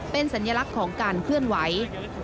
เป็นสัญลักษณ์ของการเคลื่อนไหว